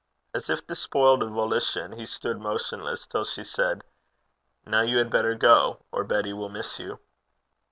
As if despoiled of volition, he stood motionless till she said, 'Now you had better go, or Betty will miss you.'